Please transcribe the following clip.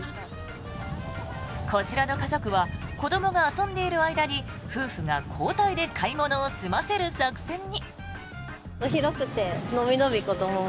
こちらの家族は子どもが遊んでいる間に夫婦が交代で買い物を済ませる作戦に。